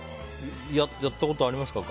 やったことありますか？